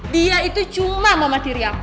dia itu cuma mama diri aku